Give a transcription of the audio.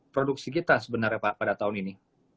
produksi kita sebenarnya pak pada tahun ini